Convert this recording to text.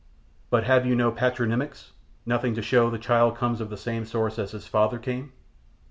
"But have you no patronymics nothing to show the child comes of the same source as his father came?"